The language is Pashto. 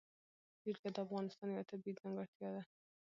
جلګه د افغانستان یوه طبیعي ځانګړتیا ده.